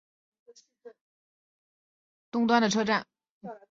加量斯河岸站是码头区轻便铁路最东端的车站。